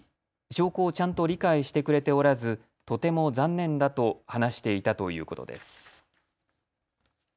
証拠をちゃんと理解してくれておらずとても残念だと話していたということです。